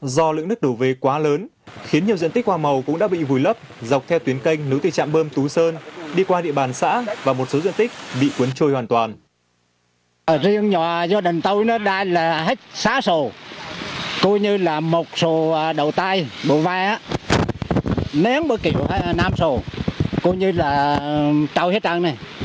do lượng nước đổ về quá lớn khiến nhiều diện tích hoa màu cũng đã bị vùi lấp dọc theo tuyến canh nữ tư chạm bơm tú sơn đi qua địa bàn xã và một số diện tích bị cuốn trôi hoàn toàn